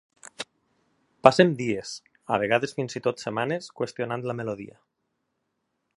Passem dies, a vegades fins i tot setmanes, qüestionant la melodia.